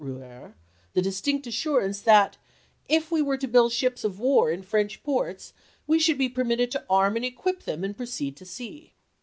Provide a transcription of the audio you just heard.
Rouher the distinct assurance that " if we were to build ships of war in French ports we should be permitted to arm and equip them and proceed to sea."